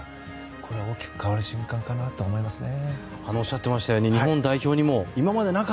これは大きく変わる瞬間かなと思いますね。